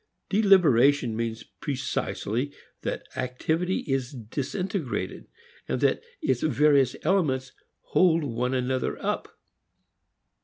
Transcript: Deliberation means precisely that activity is disintegrated, and that its various elements hold one another up.